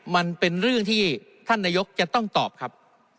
มันเป็นเรื่องที่ท่านนายกจะต้องตอบครับ